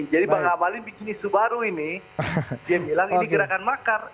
jadi bang ambalin bikin isu baru ini dia bilang ini gerakan makar